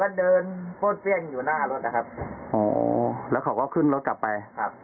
ครับแล้วเขาก็ขึ้นรถกลับไป